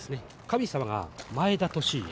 神様が前田利家。